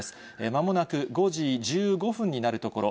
まもなく５時１５分になるところ。